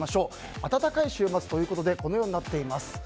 暖かい週末ということでこのようになっています。